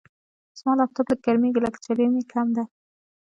زما لپټاپ لږ ګرمېږي، لکه چې ریم یې کم دی.